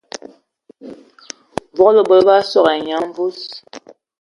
Vogolo mbol bə sogo ai nye a mvus.